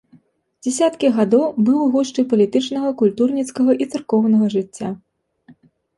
Дзясяткі гадоў быў у гушчы палітычнага, культурніцкага і царкоўнага жыцця.